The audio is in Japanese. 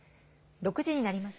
６時になりました。